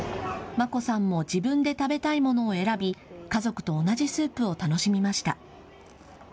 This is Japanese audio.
真心さんも自分で食べたいものを選び家族と同じスープを楽しみました。